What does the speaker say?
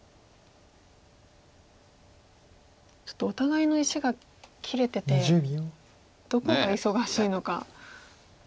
ちょっとお互いの石が切れててどこが忙しいのか。